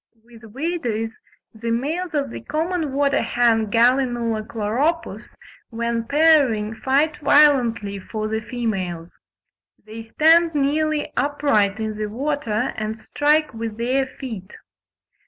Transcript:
(4. Gould, ibid. p. 52.) With waders, the males of the common water hen (Gallinula chloropus) "when pairing, fight violently for the females: they stand nearly upright in the water and strike with their feet."